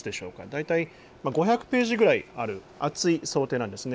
大体、５００ページぐらいある厚い想定なんです。